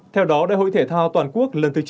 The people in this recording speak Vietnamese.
theo đó đại hội thể thao toàn quốc lần thứ chín